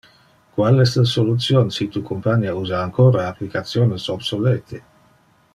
Qual es le solution si tu compania usa ancora applicationes obsolete?